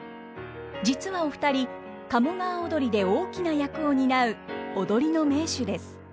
実はお二人「鴨川をどり」で大きな役を担う踊りの名手です。